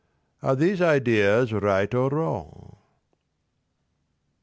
Are these ideas right or wrong?